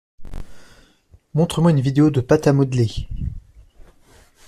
Montre moi une vidéo de pâte à modeler